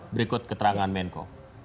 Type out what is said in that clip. berikut keterangan menko